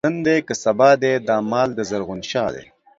نن دی که سبا دی، دا مال دَ زرغون شاه دی